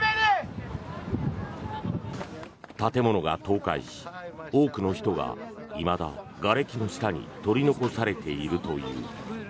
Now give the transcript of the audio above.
建物が倒壊し多くの人がいまだがれきの下に取り残されているという。